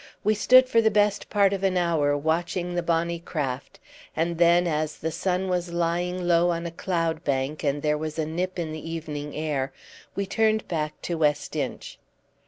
We stood for the best part of an hour watching the bonny craft, and then, as the sun was lying low on a cloudbank and there was a nip in the evening air, we turned back to West Inch.